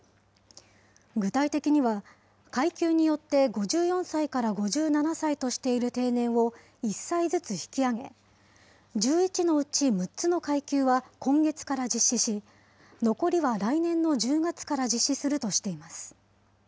具体的には、階級によって５４歳から５７歳としている定年を１歳ずつ引き上げ、１１のうち６つの階級は今月から実施し、残りは来年の１０月から実施するとしています。